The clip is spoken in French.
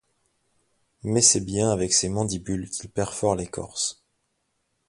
Mais c'est bien avec ses mandibules qu'il perfore l'écorce.